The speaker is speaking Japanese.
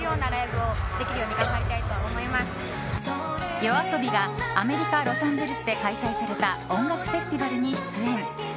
ＹＯＡＳＯＢＩがアメリカ・ロサンゼルスで開催された音楽フェスティバルに出演。